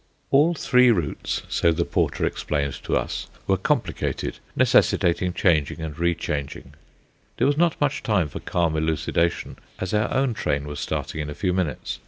All three routes, so the porter explained to us, were complicated, necessitating changing and re changing. There was not much time for calm elucidation, as our own train was starting in a few minutes.